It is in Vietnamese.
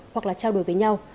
hoặc là trao đổi với nhau